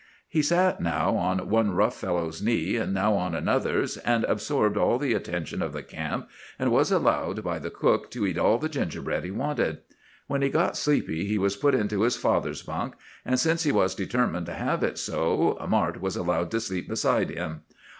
He sat now on one rough fellow's knee, now on another's, and absorbed all the attention of the camp, and was allowed by the cook to eat all the gingerbread he wanted. When he got sleepy he was put into his father's bunk; and, since he was determined to have it so, Mart was allowed to sleep beside him.